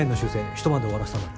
一晩で終わらせたんだって？